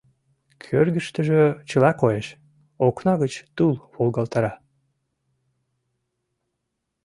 Кӧргыштыжӧ чыла коеш, окна гыч тул волгалтара.